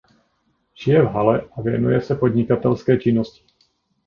Žije v Halle a věnuje se podnikatelské činnosti.